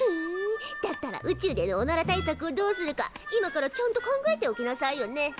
だったら宇宙でのおなら対策をどうするか今からちゃんと考えておきなさいよね。